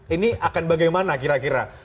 ini akan bagaimana kira kira